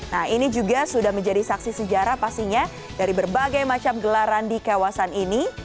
nah ini juga sudah menjadi saksi sejarah pastinya dari berbagai macam gelaran di kawasan ini